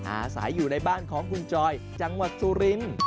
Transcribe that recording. อาศัยอยู่ในบ้านของคุณจอยจังหวัดสุรินทร์